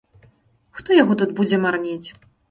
Хто яго тут будзе марнець.